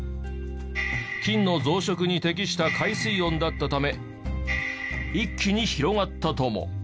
菌の増殖に適した海水温だったため一気に広がったとも。